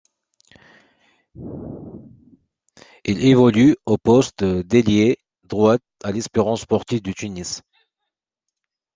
Il évolue au poste de d'ailier droit à l'Espérance sportive de Tunis.